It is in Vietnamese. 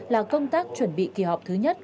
là công tác chuẩn bị kỳ họp thứ nhất